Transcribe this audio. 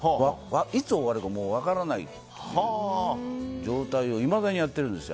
いつ終わるか分からないっていう状態をいまだにやってるんですよ。